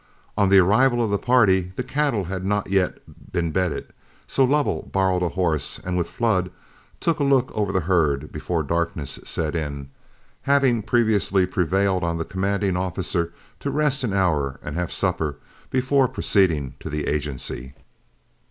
On the arrival of the party, the cattle had not yet been bedded, so Lovell borrowed a horse, and with Flood took a look over the herd before darkness set in, having previously prevailed on the commanding officer to rest an hour and have supper before proceeding to the agency.